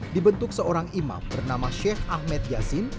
dibentuk seorang imam bernama sheikh ahmed yasin